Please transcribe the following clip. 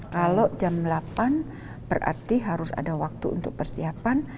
kalau jam delapan berarti harus ada waktu untuk persiapan